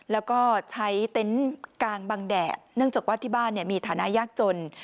แล้วก็ใช้เต็นต์กลางบังแดดเนื่องจากว่าที่บ้านมีฐานะยากจน